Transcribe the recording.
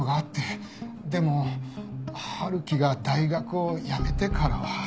でも春樹が大学をやめてからは。